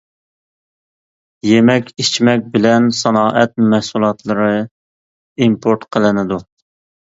يېمەك-ئىچمەك بىلەن سانائەت مەھسۇلاتلىرى ئىمپورت قىلىنىدۇ.